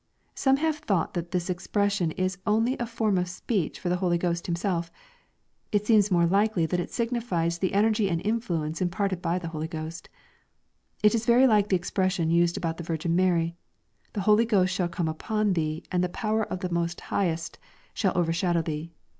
] Some have thought that this expression IS only a form of speech for the Holy Ghost Himself. It seems more Ukely that it signifies the energy and influence imparted by the Holy Q host It is very Uke the expression used about the Virgin Mary, "The Holy Ghost shall come upon thee, and the power of the Most Highest shall overshadow thee."